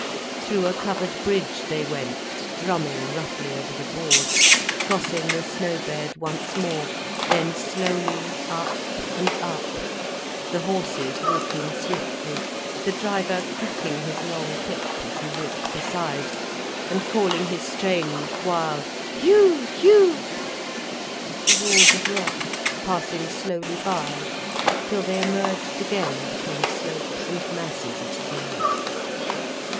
Through a covered bridge they went, drumming roughly over the boards, crossing the snow bed once more, then slowly up and up, the horses walking swiftly, the driver cracking his long whip as he walked beside, and calling his strange wild hue hue!, the walls of rock passing slowly by, till they emerged again between slopes and masses of snow.